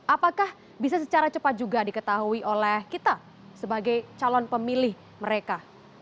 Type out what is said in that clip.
apakah bisa secara cepat juga diketahui oleh kita sebagai calon pemilih mereka